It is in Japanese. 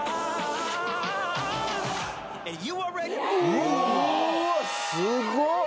うわすごっ！